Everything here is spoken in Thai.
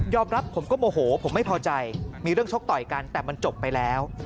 รับผมก็โมโหผมไม่พอใจมีเรื่องชกต่อยกันแต่มันจบไปแล้ว